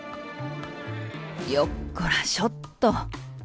よっこらしょっと。